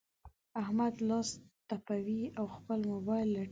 احمد لاس تپوي؛ او خپل مبايل لټوي.